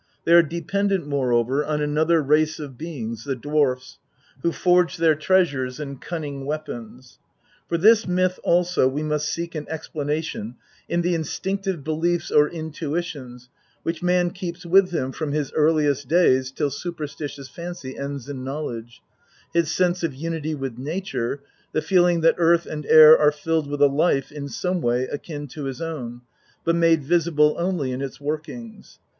They are dependent, more over, on another race of beings, the dwarfs, who forge their treasures and cunning weapons. For this myth also we must seek an explanation in the instinctive beliefs or intuitions which man keeps with him from his earliest days till superstitious fancy ends in knowledge his sense of unity with Nature, the feeling that earth and air are filled with a life in some way akin to his own, but made visible only in its workings.